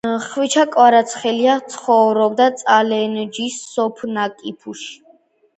ხვიჩა კვარაცხელია ცხოვრობს წალენჯიხის სოფ. ნაკიფუში